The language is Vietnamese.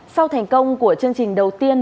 sau thành công của chương trình đầu tiên